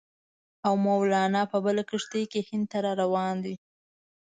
او مولنا په بله کښتۍ کې هند ته را روان دی.